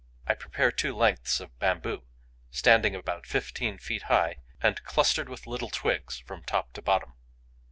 I prepare two lengths of bamboo, standing about fifteen feet high and clustered with little twigs from top to bottom.